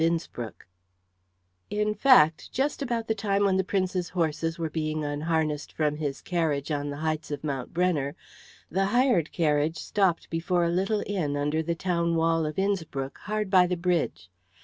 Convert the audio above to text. CHAPTER XII In fact, just about the time when the Prince's horses were being unharnessed from his carriage on the heights of Mount Brenner, the hired carriage stopped before a little inn under the town wall of Innspruck hard by the bridge.